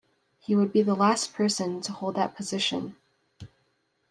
He would be the last person to hold that position.